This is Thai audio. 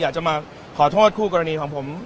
อยากจะมาขอโทษคู่กรณีของผม